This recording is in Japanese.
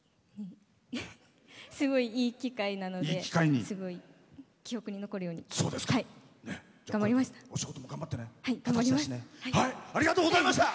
すごい、いい機会なのですごい記憶に残るように頑張りました。